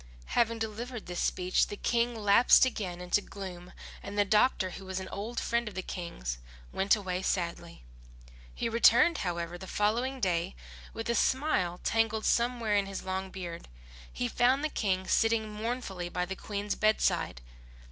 Having delivered which speech the King lapsed again into gloom, and the doctor who was an old friend of the King's went away sadly. He returned, however, the following day with a smile tangled somewhere in his long beard. He found the King sitting mournfully by the Queen's bedside.